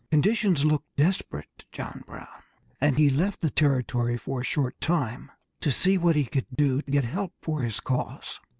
Conditions looked desperate to John Brown, and he left the territory for a short time to see what he could do to get help for his cause.